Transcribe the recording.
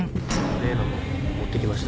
例のもの持ってきました？